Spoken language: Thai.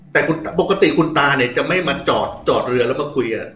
แต่ปกติคุณตาเนี่ยจะไม่มาจอดจอดเรือแล้วมาคุยกัน